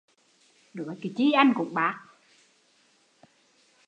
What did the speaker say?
Nói chi anh cũng bác